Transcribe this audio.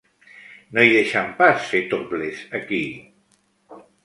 No hi deixen pas fer 'topless', aquí.